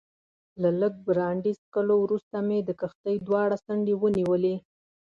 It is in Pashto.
له لږ برانډي څښلو وروسته مې د کښتۍ دواړې څنډې ونیولې.